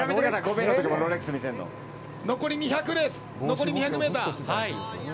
残り２００ｍ。